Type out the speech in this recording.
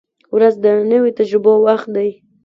• ورځ د نویو تجربو وخت دی.